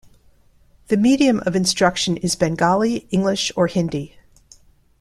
The medium of instruction is Bengali, English or Hindi.